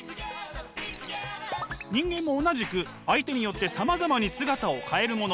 人間も同じく相手によってさまざまに姿を変えるもの。